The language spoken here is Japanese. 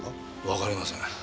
わかりません。